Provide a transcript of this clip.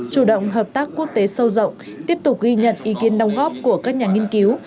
chủ động hợp tác quốc tế sâu rộng tiếp tục ghi nhận ý kiến đồng góp của các nhà nghiên cứu